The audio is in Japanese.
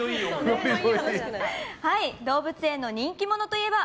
動物園の人気者といえば？